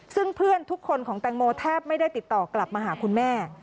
ซึ่งเพื่อนทุกคนของแตงโมแทบไม่ได้ติดต่อกลับมาหาคุณแม่